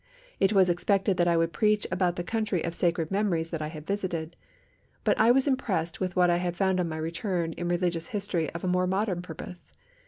It was expected that I would preach about the country of sacred memories that I had visited, but I was impressed with what I had found on my return in religious history of a more modern purpose.